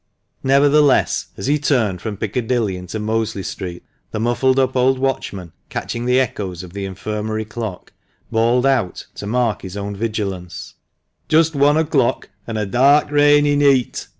Nevertheless as he turned from Piccadilly into Mosley Street, the muffled up old watchman, catching the echoes of the Infirmary clock, bawled out, to mark his own vigilance, "Just one o'clock, an' a dark, rainy neet!"